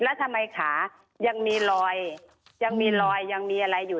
แล้วทำไมขายังมีรอยยังมีรอยยังมีอะไรอยู่